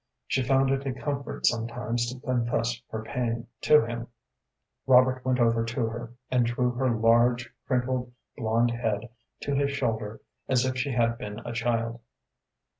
She found it a comfort sometimes to confess her pain to him. Robert went over to her, and drew her large, crinkled, blond head to his shoulder as if she had been a child.